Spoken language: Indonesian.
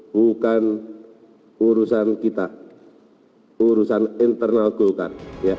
bukan urusan kita urusan internal golkar